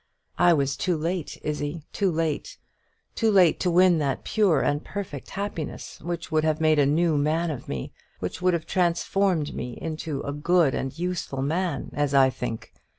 I was too late, Izzie, too late; too late to win that pure and perfect happiness which would have made a new man of me, which would have transformed me into a good and useful man, as I think.